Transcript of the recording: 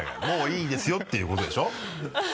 「もういいですよ」っていうことでしょ？